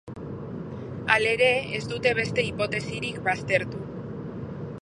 Halere, ez dute beste hipotesirik baztertu.